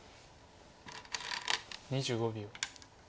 ２５秒。